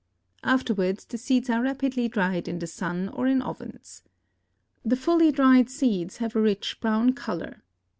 Afterwards the seeds are rapidly dried in the sun or in ovens. The fully dried seeds have a rich brown color.